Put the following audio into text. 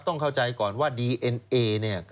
ต้องเข้าใจก่อนว่าดีเอ็นเอเนี่ย